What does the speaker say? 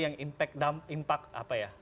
yang impact apa ya